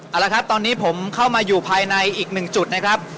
เอาละครับตอนนี้ผมเข้ามาอยู่ภายในอีกหนึ่งจุดนะครับ